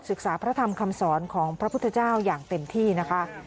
พระธรรมคำสอนของพระพุทธเจ้าอย่างเต็มที่นะคะ